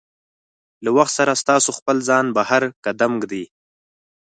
له وخت سره ستاسو خپل ځان بهر قدم ږدي.